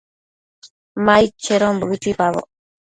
Ma aid chedonbo chuipaboc